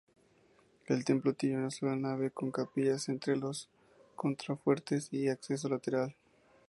El templo tiene una sola nave, con capillas entre los contrafuertes y acceso lateral.